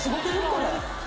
これ。